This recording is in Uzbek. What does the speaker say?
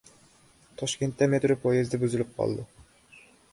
Toshkentda metro poyezdi buzilib qoldi